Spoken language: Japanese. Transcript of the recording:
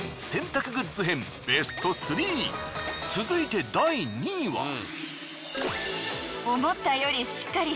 続いて第２位は。